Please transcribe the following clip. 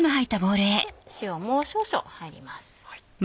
塩も少々入ります。